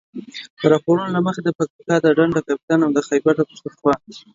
د راپورونو له مخې د پکتیا د ډنډ پټان او د خيبر پښتونخوا